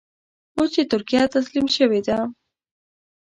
اوس چې ترکیه تسليم شوې ده.